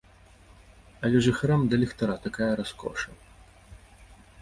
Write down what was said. Але жыхарам да ліхтара такая раскоша.